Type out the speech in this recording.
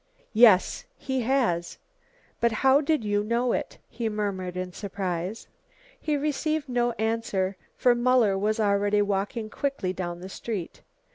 "Yes, he has, but how did you know it?" he murmured in surprise. He received no answer, for Muller was already walking quickly down the street.